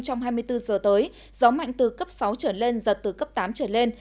trong hai mươi bốn giờ tới gió mạnh từ cấp sáu trở lên giật từ cấp tám trở lên